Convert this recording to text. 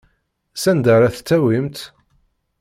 Sanda ara t-tawimt?